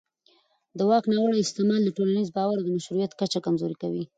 د واک ناوړه استعمال د ټولنیز باور او مشروعیت کچه کمزوري کوي